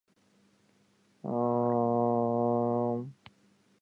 aaaaaaaaaaaaaaaaaaaaaaaaaaaaaaaaaaa